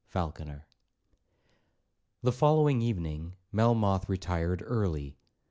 FALCONER The following evening Melmoth retired early.